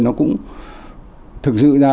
nó cũng thực sự ra